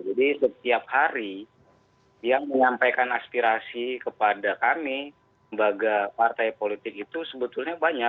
jadi setiap hari yang menyampaikan aspirasi kepada kami baga partai politik itu sebetulnya banyak